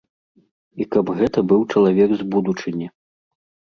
І каб гэта быў чалавек з будучыні.